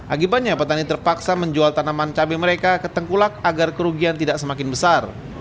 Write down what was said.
akibatnya petani terpaksa menjual tanaman cabai mereka ke tengkulak agar kerugian tidak semakin besar